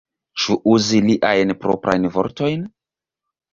Ĉu uzi liajn proprajn vortojn?